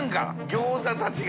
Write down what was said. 餃子たちが。